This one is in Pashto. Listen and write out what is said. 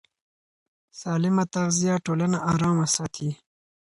سالمه تغذیه ټولنه ارامه ساتي.